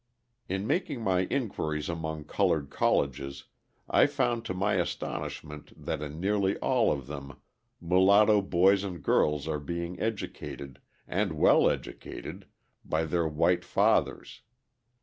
In making my inquiries among coloured colleges I found to my astonishment that in nearly all of them mulatto boys and girls are being educated, and well educated, by their white fathers.